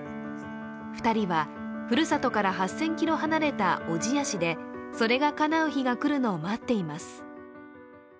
２人は、ふるさとから８０００ｋｍ離れた小千谷市でそれがかなう日がくるのを待っています。